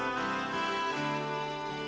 nih kapan si titin mau lu ajak kemari